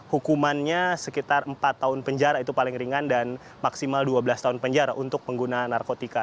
hukumannya sekitar empat tahun penjara itu paling ringan dan maksimal dua belas tahun penjara untuk pengguna narkotika